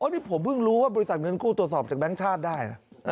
นี่ผมเพิ่งรู้ว่าบริษัทเงินกู้ตรวจสอบจากแบงค์ชาติได้นะ